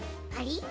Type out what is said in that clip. あり？